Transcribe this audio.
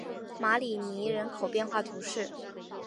马里尼人口变化图示